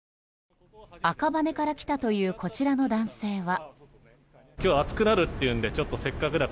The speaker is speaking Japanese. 赤羽から来たというこちらの男性は。